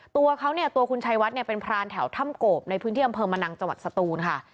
ตัวเขาเนี่ยตัวคุณชัยวัดเนี่ยเป็นพรานแถวถ้ำโกบในพื้นที่อำเภอมะนังจังหวัดสตูนค่ะ